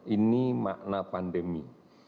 ini makna pandemi